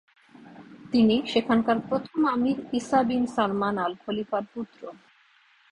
তিনি সেখানকার প্রথম আমির ঈসা বিন সালমান আল খলিফার পুত্র।